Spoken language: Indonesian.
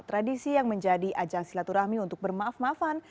tradisi yang menjadi ajang silaturahmi untuk bermaaf maafan